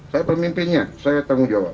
saya pemimpinnya saya tanggung jawab